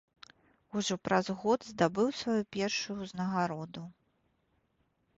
Ужо праз год здабыў сваю першую ўзнагароду.